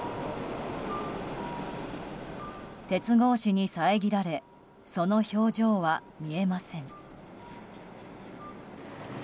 鉄格子に遮られその表情は見えません。